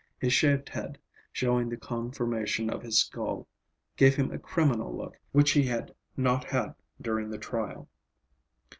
His shaved head, showing the conformation of his skull, gave him a criminal look which he had not had during the trial.